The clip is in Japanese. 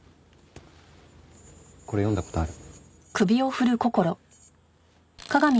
これ読んだ事ある？